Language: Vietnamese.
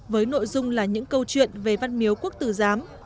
với nội dung là những câu chuyện về văn miếu quốc tử giám